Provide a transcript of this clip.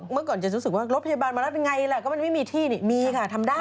เมื่อก่อนจะรู้สึกว่ารถพยาบาลมารับยังไงล่ะก็มันไม่มีที่นี่มีค่ะทำได้